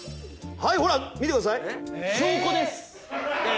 はいほら見てください